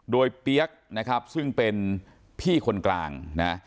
โดยเปี๊ยกนะครับซึ่งเป็นพี่คนกลางนะ